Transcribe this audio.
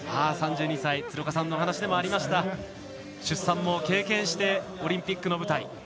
３２歳、鶴岡さんのお話でもありました出産も経験してオリンピックの舞台。